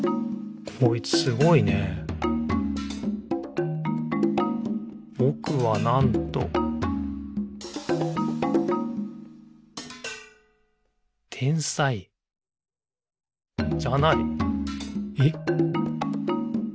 こいつすごいね「ぼくは、なんと」天才じゃない。え？